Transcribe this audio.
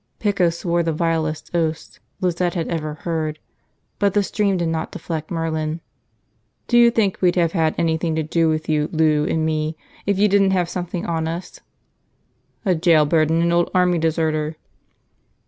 Pico swore the vilest oaths Lizette ever had heard, but the stream did not deflect Merlin. "Do you think we'd have had anything to do with you, Lou and me, if you didn't have something on us?" "A jailbird and an old army deserter!"